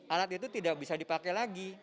alat itu tidak bisa dipakai lagi